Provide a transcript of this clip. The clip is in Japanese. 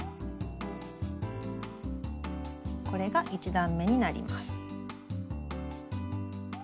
これが１段めになります。